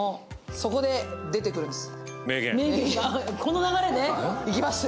そこで出てくるんです。